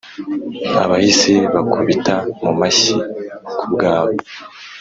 Abahisi bakubita mu mashyi ku bwawe,